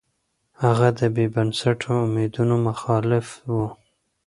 هغه د بې بنسټه اميدونو مخالف و.